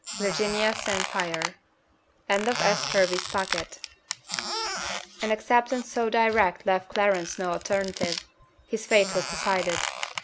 "VIRGINIA ST. PIERRE." [End of C. Hervey's packet.] An acceptance so direct left Clarence no alternative: his fate was decided.